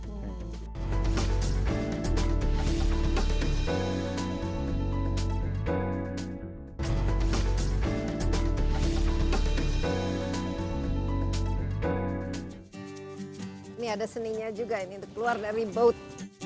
ini ada seninya juga ini untuk keluar dari boat